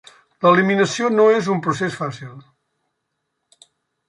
L’eliminació no és un procés fàcil.